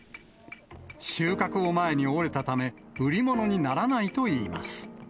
収穫を前に折れたため、売り物にならないといいます。